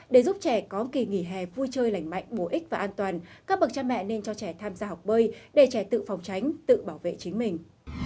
để giúp trẻ có kỳ nghỉ hè vui chơi lành mạnh bổ ích và an toàn các bậc cha mẹ nên cho trẻ tham gia học bơi để trẻ tự phòng tránh tự bảo vệ chính mình